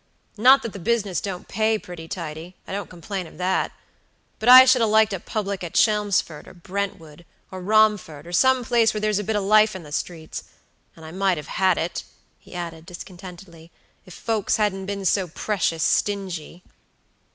Not that the business don't pay pretty tidy; I don't complain of that; but I should ha' liked a public at Chelmsford, or Brentwood, or Romford, or some place where there's a bit of life in the streets; and I might have had it," he added, discontentedly, "if folks hadn't been so precious stingy."